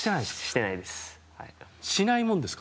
しないもんですか？